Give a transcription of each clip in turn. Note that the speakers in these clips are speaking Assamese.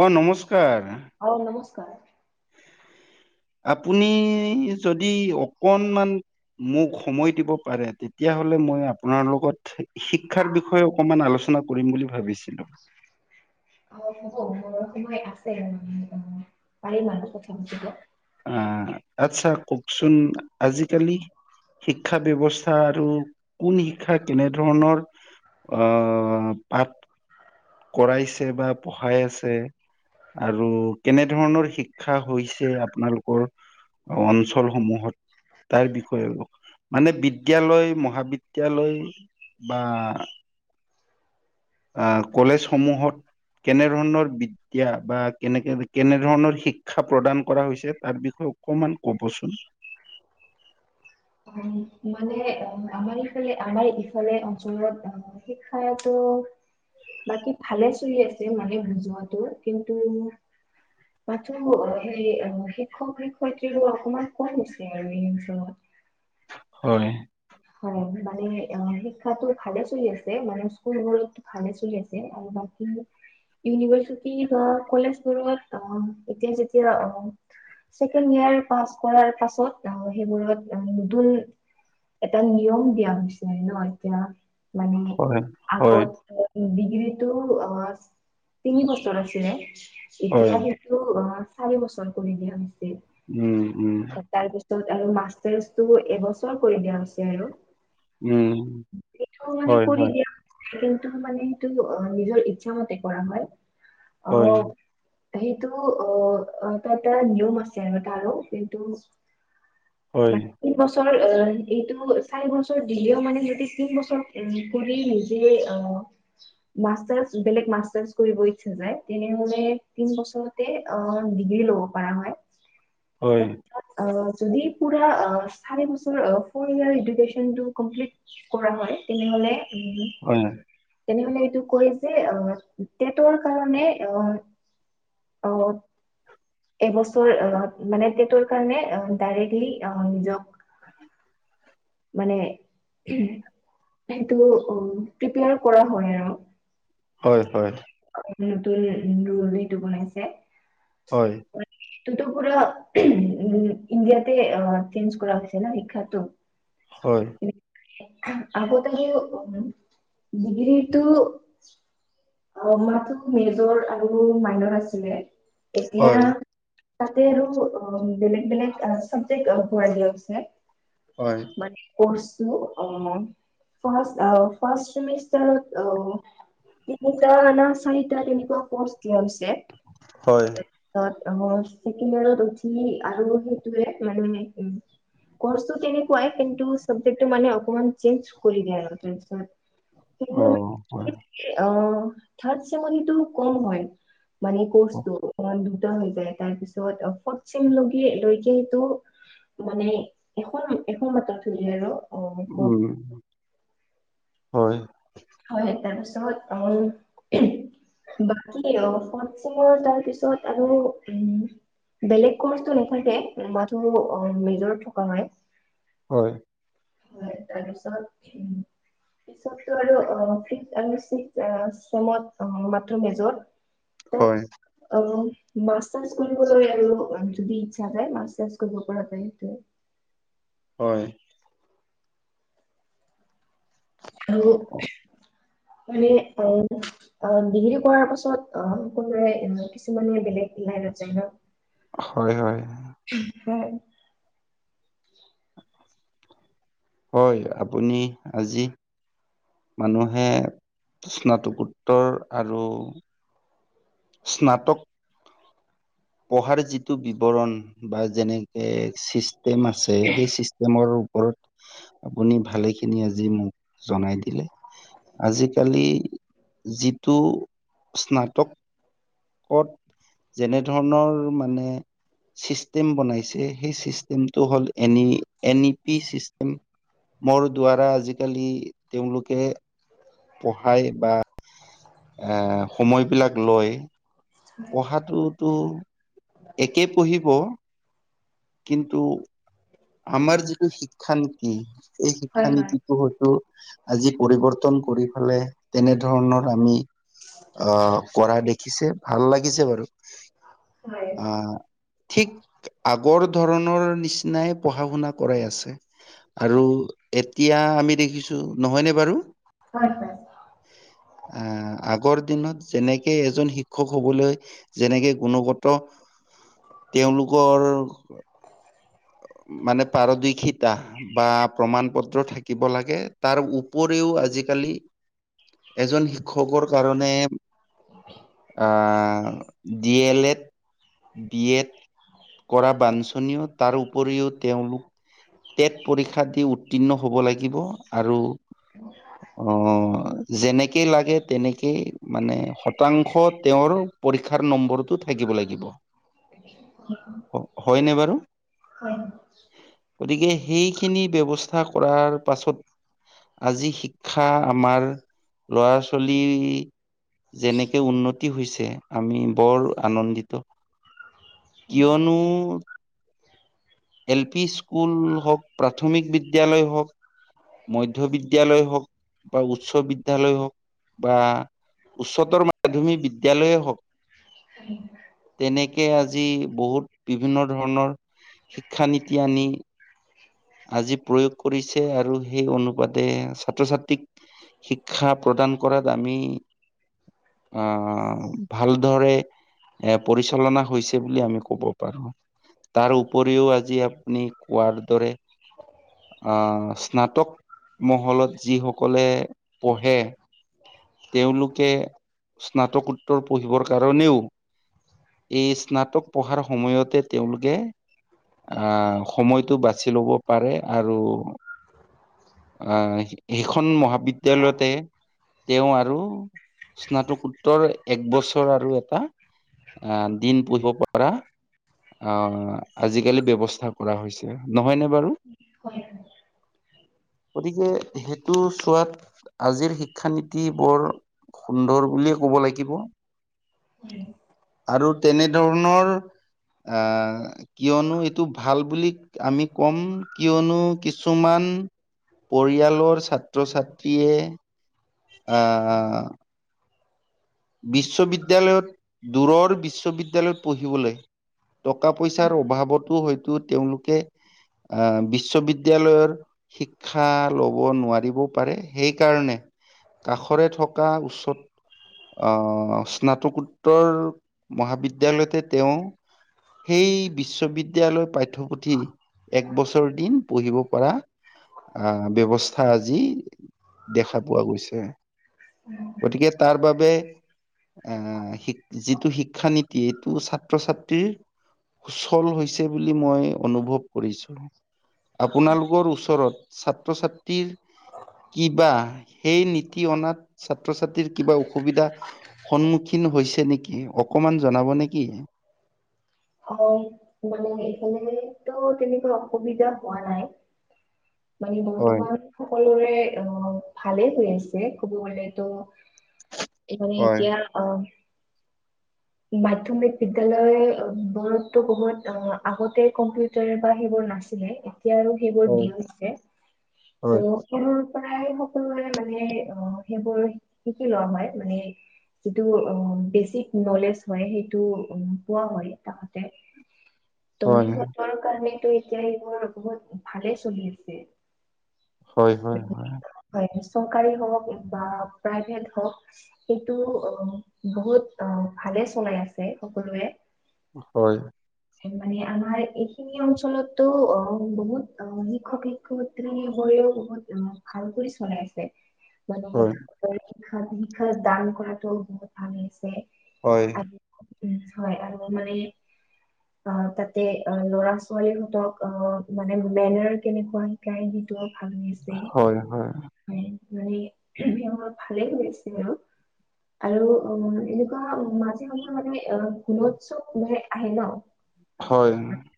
অ', নমস্কাৰ। অ', নমস্কাৰ। আপুনি যদি অকনমান মোক সময় দিব পাৰে, তেতিয়াহ'লে মই আপোনাৰ লগত শিক্ষাৰ বিষয়ে অকমান আলো না কৰিম বুলি ভাবিছিলোঁ। অ', হ'ব, হ'ব সময় আছে, পাৰিম আৰু কথা পাতিব। আ, আচ্ছা কওঁকচোন আজিকালি শিক্ষা ব্যৱস্থা আৰু কোন শিক্ষা, কেনেধৰণৰ অ', পাঠ কৰাইছে বা পঢ়াই আছে। আৰু কেনে ধৰণৰ শিক্ষা হৈছে আপোনালোকৰ? অঞ্চলসমূহত তাৰ বিষয়ে আৰু। মানে বিদ্যালয়, মহাবিদ্যালয় বা আ, কলেজ সমূহত কেনে ধৰণৰ বিদ্যা বা কেনেকে কেনে ধৰণৰ শিক্ষা প্ৰদান কৰা হৈছে তাৰ বিষয়ে অকমান ক'বচোন। মানে অ', আমাৰ ইফালে আমাৰ, ইফালে অঞ্চলত অ', শিক্ষাটো বাকী ভালে চলি আছে মানে বুজোৱাটো, কিন্তু মাথোঁ, সেই শিক্ষক শিক্ষয়ত্ৰী অকমান কম হৈছে আৰু এই অঞ্চলত। হয়। হয়, মানে অ', শিক্ষাতো ভালে চলি আছে, মানে স্কুলবোৰতো ভালে চলি আছে। বাকী যে ইউনিভাৰ্চিটি বা কলেজবোৰত অ', এতিয়া যেতিয়া অ' ছেকেণ্ড ইয়াৰ পাছ কৰাৰ পাছত সেইবোৰত নতুন এটা নিয়ম দিয়া হৈছে ন! এতিয়া মানে হয় হয় আগত [unintelligible] যিটো অহ' তিনি বছৰ আছিলে, এতিয়া হয় সেইটো অহ' চাৰি বছৰ কৰি দিয়া হৈছে। উম', উম'। তাৰ পিছত আৰু মাষ্টাৰছটো এবছৰ কৰি দিয়া হৈছে আৰু। উম', সেইটো মানে হয়, কৰি হয়। দিয়া হৈছে, কিন্তু মানে সেইটো নিজৰ ইচ্ছামতে কৰা হয়। হয় অ' সেইটো অহ, তাতে নিউ মাষ্টাৰ হয় তাৰো, সেইটো। বাকী বছৰ এইটো। চাৰি বছৰ দিলেওঁ মানে সিহঁতে তিন বছৰ কৰি নিজে অহ' মা মাষ্টাৰ্ছ‌ বেলেগ মাষ্টাৰ্ছ কৰিব ইচ্ছা যায়, তেনেহলে তিন বছৰতে অহ' ডিগ্ৰী ল'ব পাৰে। হয়। অহ' যদি পুৰা অহ, চাৰি বছৰৰ ফৰ্ত সেয়াৰ ইডুকেচনটো কমপ্লিট কৰা হয়। তেনেহলে উম হয় হয় তেনেহলে এইটো কয় যে অহ' টেটৰ কাৰণে অহ' অহ'। এবছৰ অহ' মানে টেটৰ কাৰণে অহ, ডাইৰেক্টলি অহ, নিজক [unintelligible] মানে সেইটো অহ' প্ৰিপেয়াৰ কৰা হয় আৰু। হয় হয়। নতুন [unintelligible] টো বনাইছে। হয়। ততো পুৰা [unintelligible] ইণ্ডিয়াতে চেঞ্জ কৰা হৈছে ন শিক্ষাটো। হয়। আগতেটো ডিগ্ৰীটো অ' মাত্ৰ মেজৰ আৰু মাইনৰ আছিলে। এতিয়া হয় হয় তাতে আৰু অ', বেলেগ, বেলেগ অ', চাবজেক্ত ভৰাই দিয়া হৈছে। হয় মানে কৰ্চ অ', ফাৰ্ষ্ট অ', ফাৰ্ষ্ট চেমিষ্টাৰত অ' তিনিটা না চাৰিটা তেনেকুৱা কৰ্চ দিয়া হৈছে। হয়। অ', ছেকেণ্ড ইয়েৰত‌ উঠি আৰু সেইটোৱে মানে কৰ্ছটো তেনেকুৱাই। কিন্তু চাবজেক্টো মানে অকমান চেঞ্জ কৰি দিয়ে আৰু তাৰপিছত। অ হয় [unintelligible] অ', থাৰ্ড চেমত সেইটো কম হয়। মানে কৰ্চটো [unintelligible] টো হৈ যায় তাৰপিছত ফৰ্থ ছেম লগি লৈকেটো মানে [unintelligible] আৰু। অ উম, হয়। [unintelligible] বাকী অ', ফৰ্ড ছেমৰ তাৰ পিছত আৰু উম। বেলেগ ক'ৰ্চটো নাথাকে মাথো মেজৰত থকা হয়। হয়। হয়, তাৰপিছত পিছতটো আৰু অ', ফিফট আৰু ছিক্স ছেমত মাত্ৰ মেজৰ হয় তাত অ'। মাষ্টাৰ্ছ কৰিবলৈ আৰু যদি ইচ্ছা যায় মাষ্টাৰ্ছ কৰিব পৰা যায় এইটোৱে। হয়। আৰু মানে অ', অ', ডিগ্ৰী কৰাৰ পাছত অ', সকলোৰে কিছুমানে বেলেগ লাইনত যায় ন'। হয়, হয়। হয়। হয়, আপুনি আজি মানুহে, স্নাতকোত্তৰ আৰু স্নাতক পঢ়াৰ যিটো বিৱৰণ বা যেনে এ চিষ্টেম আছে, সেই চিষ্টেমৰো পৰত, আপুনি ভালেখিনি আজি মোক জনাই দিলে। আজিকালি, যিটো স্নাতক পদ, যেনে ধৰণৰ মানে চিষ্টেম বনাইছে, সেই চিষ্টেমটো হ'ল এনই-এনইপি চিষ্টেম। মোৰ দ্বাৰা আজিকালি, তেওঁলোকে পঢ়াই বা এ', সময়বিলাক লয়, পঢ়াটোত তো, একে পঢ়িব কিন্তু, আমাৰ যিটো শিক্ষানীতি এই হয় হয় শিক্ষানীতিবোৰতো আজি পৰিৱৰ্তন কৰি পেলাই তেনেধৰণৰ আমি, আ, কৰা দেখিছে ভাল লাগিছে বাৰু। হয়, আ, ঠিক আগৰ ধৰণৰ নিচিনাই পঢ়া-শুনা কৰাই আছে আৰু এত এতিয়া আমি দেখিছোঁ, নহয়নে বাৰু? হয়, পাই। আ, আগৰ দিনত যেনেকে এজন শিক্ষ ক্ষক হ'বলৈ, যেনেকে গুণগত, তেওঁলোকৰ অ'। মানে, পাৰদৰ্শিতা বা প্ৰমাণ-পত্ৰ থাকিব লাগে। তাৰ উপৰিও, আজি কালি, এজন শিক্ষকৰ কাৰণে অ', D L Ed, B Ed কৰা বাঞ্চনীয় তাৰ উপৰিও তেওঁলোক টেট পৰীক্ষা দি উত্তীৰ্ণ হব লাগিব। আৰু অ', যেনেকেই লাগে তেনেকেই মানে শতাংশ তেওঁৰ পৰীক্ষাৰ নম্বৰটো থাকিব লাগিব। হয়নে বাৰু হয়। গতিকে সেইখিনি ব্যৱস্থা কৰাৰ পাছত আজি শিক্ষা আমাৰ, লৰা ছোৱালী যেনেকে উন্নতি হৈছে আমি বৰ আনন্দিত। কিয়নো? এল পি স্কুল হওক, প্ৰাথমিক বিদ্যালয় হওক মধ্যবিদ্যালয় হওক বা উচ্চ বিদ্যয়ালয় হওক বা উচ্চতৰ মাধ্যমিক বিদ্যালয়ে হওক। উ'ম। এনেকে আজি বহুত বিভিন্ন ধৰণৰ শিক্ষা নীতি আনি আজি প্ৰয়োগ কৰিছে, আৰু সেই অনুপাতে ছাত্ৰ ছাত্ৰীক শিক্ষা প্ৰদান কৰাত আমি আ'হ, ভালদৰে এ! পৰিচালনা হৈছে বুলি আমি কব পাৰো। তাৰ উপৰিও আজি আপুনি কোৱাৰ দৰে আ'হ, স্নাতক মহলাত যিসকলে পঢ়ে তেওঁলোকে, স্নাতকোত্তৰ পঢ়িবৰ কাৰণেও এই স্নাতক পঢ়াৰ সময়তে তেওঁলোকে, আ'হ, সময়টো বাচ বাচি ল'ব পাৰে আৰু আ'হ সেইখন মহাবিদ্যালয়তে। তেওঁ আৰু স্নাতকোত্তৰ এক বছৰ আৰু এটা আ'হ দিন পুঢ়িব পৰা। আ'হ আজিকালি ব্যৱস্থা কৰা হৈছে নহয়নে বাৰু? [unintelligible] গতিকে সেইটো চোৱাত আজিৰ শিক্ষানীতি বৰ সুন্দৰ বুলিয়ে ক'ব লাগিব। আৰু তেনেধৰণৰ আ'হ কিয়নো, এইটো ভাল বুলি আমি কম কিয়নো কিছুমান উ'ম। পৰিয়ালৰ ছাত্ৰ -ছাত্ৰীয়ে আ'হ বিশ্ববিদ্যালয়ত দূৰৰ বিশ্ববিদ্যালয়ত পঢ়িবলৈ। টকা পইচাৰ অভাৱতো হয়তো তেওঁলোকে আ'হ বিশ্ববিদ্য়ালয়ৰ শিক্ষা লব নোৱাৰিব পাৰে। সেইকাৰণে কাষৰে থকা উচ্চত আ'হ স্নাতকোত্তৰ মহাবিদ্য়ালয়তে তেওঁ সেই বিশ্ববিদ্যালয় পাঠ্যপুথি এক বছৰ দিন পঢ়িব পৰা আ'হ ব্যৱস্থা আজি দেখা পোৱা গৈছে। গতিকে তাৰ বাবে আ'হ শি যিটো শিক্ষা নীতি এইটো ছাত্ৰ- ছাত্ৰীৰ সুচল হৈছে বুলি মই অনুভৱ কৰিছো। আপোনালোকৰ ওচৰত ছাত্ৰ -ছাত্ৰীৰ কিবা সেই নীতি অনাত ছাত্ৰ ছাত্ৰীৰ কিবা অসুবিধা সন্মুখীন হৈছে নেকি অকমান জনাব নেকি? অ', মানে এইফালে তো তেনেকুৱা অসুবিধা হোৱা নাই। [inaudible] মানে হয় বৰ্তমান সকলোৰে অ, ভালেই হৈ আছে কব গলেতো এ মানে হয়, এতিয়া অ মাধ্যমিক বিদ্যালয় [unintelligible] বহুত অ আগতে কম্পিউটাৰ বা সেইবোৰ নাছিলে এতিয়া আৰু সেইবোৰ হয়, দিওছে ত হয়, [unintelligible] প্ৰায় সকলোৱে মানে অ সেইবোৰ শিকি লোৱা হয় মানে যিটো অ বেচিক নলেজ হয় সেইটো পোৱা হয় তাহ তে ত হয়, সিহতৰ কাৰণে টো এতিয়া সেইবোৰ বহুত ভালে চলি আছে হয় হয় হয় হয় চৰকাৰী হওক বা প্ৰাইভেট হওক সেইটো বহুত ভাল কে চলাই আছে সকলোৱে হয় মানে আমাৰ এইখিনি অঞ্চলতো অ বহুত অ শিক্ষক শিক্ষয়িত্ৰী বহুত উম ভাল কৰি চলাই আছে হয়, মানুহক [unintelligible] শিক্ষা দান কৰাটো বহুত ভাল হৈ আছে‌‌ হয়, আৰু উম হয় আৰু মানে [inaudible] অ তাতে অ ল'ৰা ছোৱালীহঁতক অ মানে সোমেনৰ কেনেকুৱা শিকাই সি টো ভাল হৈছে হয়, হয় মানে [unintelligible] ভালেই হৈ কৈছে আৰু আৰু অ এনেকুৱা মাজে সময়ে মানে আহ গুণোৎসৱ মানে আহে ন হয়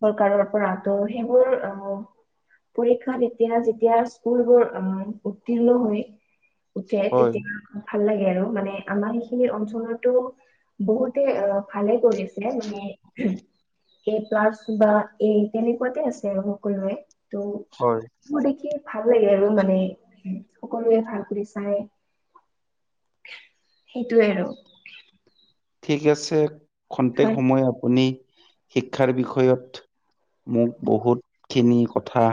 চৰকাৰৰ ত' সেইবোৰ অ'। পৰীক্ষাত এতিয়া যেতিয়া স্কুল বোৰ উত্তীৰ্ণ হয়। উঠে হয়, তেতিয়া ভাল লাগে আৰু মানে আমাৰ সেইখিনি অঞ্চলতো বহুতে অ ভালে কৰিছে মানে এ প্লাছ বা এ তেনেকুৱাতে আছে আৰু সকলোৱৰে। ত হয়, ম দে কি [inaudible] ভাল লাগে আৰু মানে সকলোৱে ভাল কৰি চাই। সেইটোৱে আৰু। ঠিক আছে খন্তেক হয়। সময় আপুনি শিক্ষাৰ বিষয়ত মোক বহুত খিনি কথা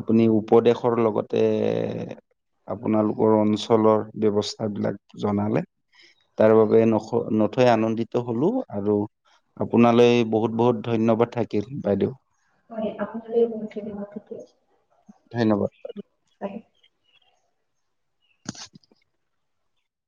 আপুনি উপদেশৰ লগতে আপোনালোকৰ অঞ্চলৰ ব্যৱস্থা বিলাক জনালে। তাৰ হয় বাবে ন থৈ আনন্দিত হলো আৰু আপোনালৈ বহুত বহুত ধন্যবাদ থাকিল বাইদেউ। মান আপোনালৈ ব এই ম [inaudible] ধন্যবাদ। অঁ।